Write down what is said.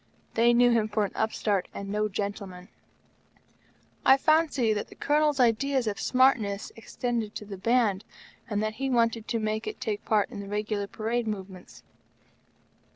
They knew him for an upstart and no gentleman. I fancy that the Colonel's ideas of smartness extended to the Band, and that he wanted to make it take part in the regular parade movements.